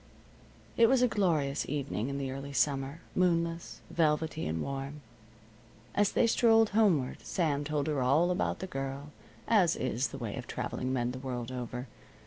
It was a glorious evening in the early summer, moonless, velvety, and warm. As they strolled homeward, Sam told her all about the Girl, as is the way of traveling men the world over.